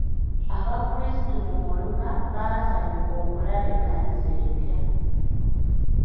Abakrisitu mu muluka baasanyuka okulaba ekkanisa empya.